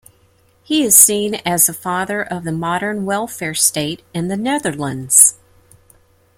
He is seen as the father of the modern welfare state in the Netherlands.